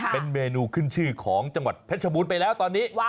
เป็นเมนูขึ้นชื่อของจังหวัดเพชรบูรณ์ไปแล้วตอนนี้